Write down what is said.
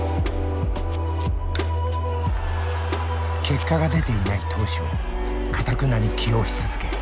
結果が出ていない投手をかたくなに起用し続け